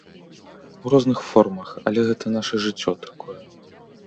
У розных формах, але гэта наша жыццё такое.